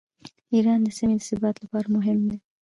ایران د سیمې د ثبات لپاره مهم دی.